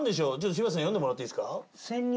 柴田さん読んでもらっていいですか？